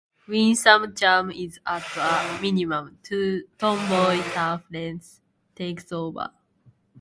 Winsome charm is at a minimum; tomboy toughness takes over.